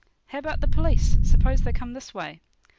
'How about the police? Suppose they come this way.'